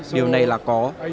điều này là có